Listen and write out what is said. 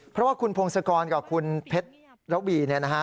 เพราะว่าคุณพงศกรกับคุณเพชรบี